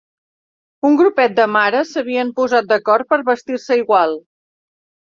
Un grupet de mares s'havien posat d'acord per vestir-se igual.